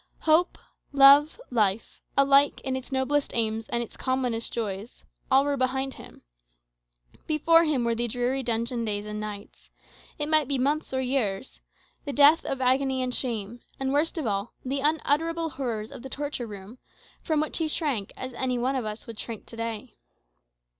Hope, love, life alike in its noblest aims and its commonest joys all were behind him. Before him were the dreary dungeon days and nights it might be months or years; the death of agony and shame; and, worst of all, the unutterable horrors of the torture room, from which he shrank as any one of us would shrink to day.